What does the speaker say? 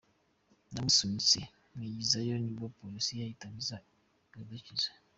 Namusunitse mwigizayo nibwo polisi yahitaga iza kudukiza.